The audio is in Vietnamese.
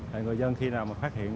và người dân khi nào mà phát hiện